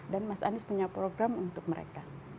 dan mas anies punya program untuk mereka